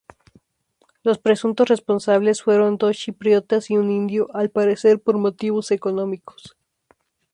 Los presuntos responsables fueron dos chipriotas y un indio, al parecer por motivos económicos.